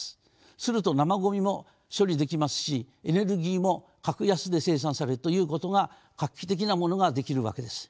すると生ごみも処理できますしエネルギーも格安で生産されるということが画期的なものができるわけです。